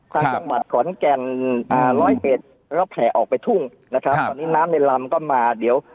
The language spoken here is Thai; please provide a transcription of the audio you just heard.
จังหวัดขอนแก่นอ่าร้อยเอ็ดแล้วก็แผ่ออกไปทุ่งนะครับตอนนี้น้ำในลำก็มาเดี๋ยว